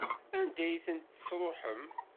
Anda ay tent-tesṛuḥem?